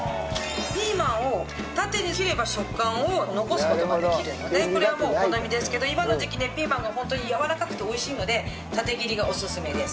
ピーマンを縦に切れば食感を残す事ができるのでこれはもうお好みですけど今の時期ねピーマンがホントにやわらかくて美味しいので縦切りがおすすめです。